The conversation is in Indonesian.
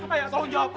ayah tolong jawab